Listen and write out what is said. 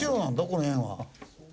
この辺は。